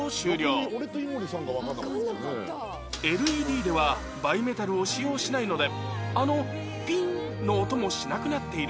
ＬＥＤ ではバイメタルを使用しないのであの「ピン」の音もしなくなっているのです